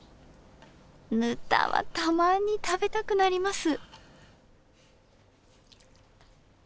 ぬたはたまに食べたくなります。